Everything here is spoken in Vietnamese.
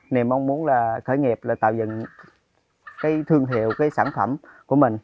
nên mong muốn khởi nghiệp là tạo dựng thương hiệu sản phẩm của mình